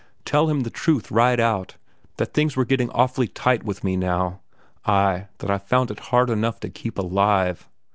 Tell him the truth right out, that things were getting awfully tight with me now; ay, that I found it hard enough to keep alive.